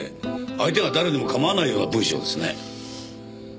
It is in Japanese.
相手が誰でも構わないような文章ですね。